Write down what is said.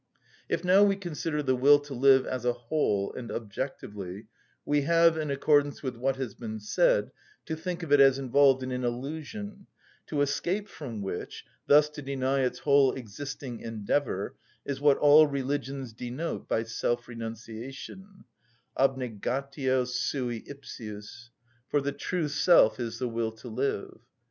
If now we consider the will to live as a whole and objectively, we have, in accordance with what has been said, to think of it as involved in an illusion, to escape from which, thus to deny its whole existing endeavour, is what all religions denote by self‐renunciation, abnegatio sui ipsius; for the true self is the will to live.